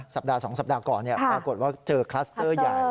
สัปดาห์๒สัปดาห์ก่อนปรากฏว่าเจอคลัสเตอร์ใหญ่